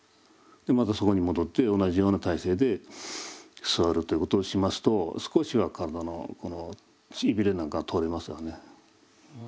またそこに戻って同じような体勢で座るということをしますと少しは体のしびれなんかが取れますわね。